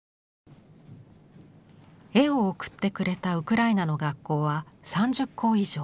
絵を送ってくれたウクライナの学校は３０校以上。